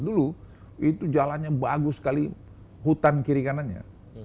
dulu itu jalannya bagus sekali hutan kiri kanannya